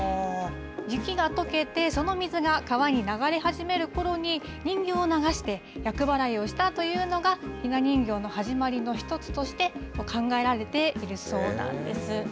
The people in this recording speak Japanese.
雪がとけて、その水が川に流れ始めるころに、人形を流して厄払いをしたというのが、ひな人形の始まりの一つとして考えられているそうなんです。